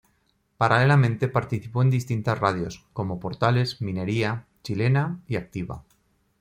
Paralelamente participó en distintas radios, como Portales, Minería, Chilena y Activa.